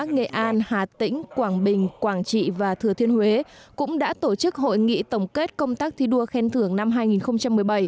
nghệ an hà tĩnh quảng bình quảng trị và thừa thiên huế cũng đã tổ chức hội nghị tổng kết công tác thi đua khen thưởng năm hai nghìn một mươi bảy